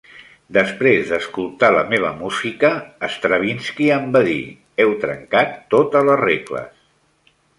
Després d'escoltar la meva música, Stravinsky em va dir "Heu trencat totes les regles".